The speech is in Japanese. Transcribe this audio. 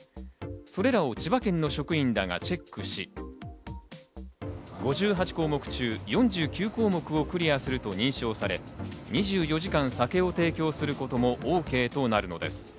それを千葉県の職員らがチェックし、５８項目中、４９項目をクリアすると認証され、２４時間、酒を提供することもＯＫとなるのです。